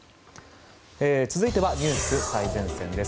続いては、ニュース最前線です。